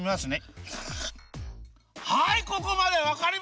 はい！